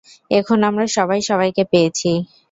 এখন আমরা সবাই সবাইকে পেয়েছি।